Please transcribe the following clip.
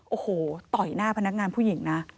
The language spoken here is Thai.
โอ้โหต่อยหน้าพนักงานผู้หญิงนะ